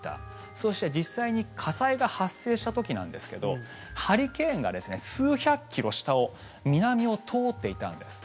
そして、実際に火災が発生した時なんですけどハリケーンが数百キロ下を南を通っていたんです。